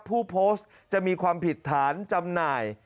ผู้โพสต์จะมีความผิดฐานจำหน่าย